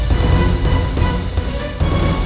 saya mau ke rumah